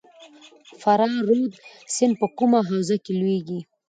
فرا رود سیند په کومه حوزه کې لویږي؟